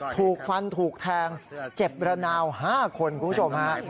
ถูกฟันถูกแทงเจ็บระนาว๕คนคุณผู้ชมฮะ